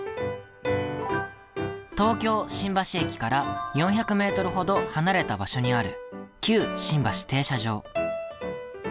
東京新橋駅から４００ｍほど離れた場所にある旧新橋停車場。